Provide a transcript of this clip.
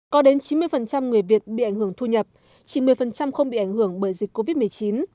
có đến chín mươi người việt bị ảnh hưởng thu nhập chỉ một mươi không bị ảnh hưởng bởi dịch covid một mươi chín